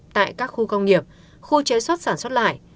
tại các khu công nghiệp khu chế xuất sản xuất lại